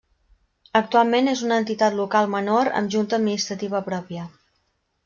Actualment és una entitat local menor amb junta administrativa pròpia.